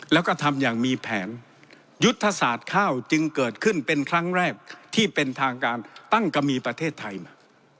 แล้วก็ทำอย่างมีแผนยุทธศาสตร์ข้าวจึงเกิดขึ้นเป็นครั้งแรกที่เป็นทางการตั้งก็มีประเทศไทยมา